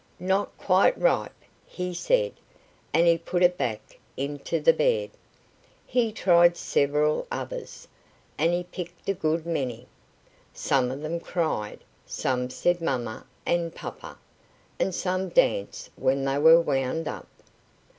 "Not quite ripe," he said, and he put it back into the bed. He tried several others, and he picked a good many. Some of them cried, some said "Mamma" and "Papa," and some danced when they were wound up.